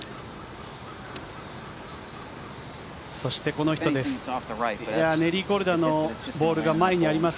そしてこの人です。